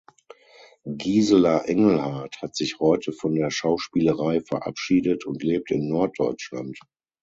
Gisela Engelhardt hat sich heute von der Schauspielerei verabschiedet und lebt in Norddeutschland.